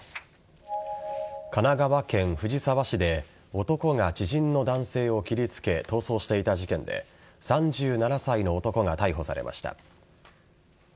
神奈川県藤沢市で男が知人の男性を切りつけ逃走していた事件で３７歳の男が逮捕されました。